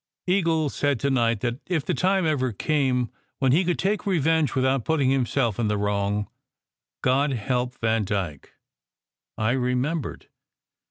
"Eagle said to night that if the time ever came when he could take revenge without putting himself in the wrong, God help Vandyke !" I remembered.